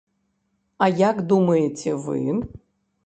А як думаеце вы?